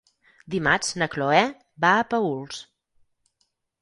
Dimarts na Cloè va a Paüls.